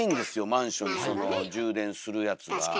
マンションにその充電するやつが。